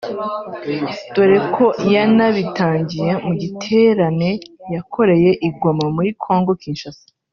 dore ko yanabitangiye mu giterane yakoreye i Goma muri Kongo – Kinshasa